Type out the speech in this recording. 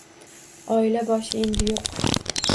Oila boshi endi yo`q